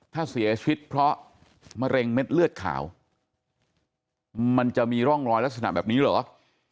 ถ้าเสียชีวิตเพราะมะเร็งเม็ดเลือดขาวมันจะมีร่องรอยลักษณะแบบนี้เหรอ